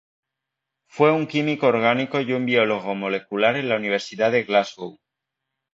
Fue un químico orgánico y un biólogo molecular en la Universidad de Glasgow.